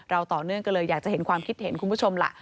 ต่อเนื่องก็เลยอยากจะเห็นความคิดเห็นคุณผู้ชมล่ะ